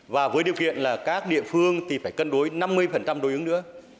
và với điều kiện là các địa phương thì phải cân đối năm mươi đối ứng nữa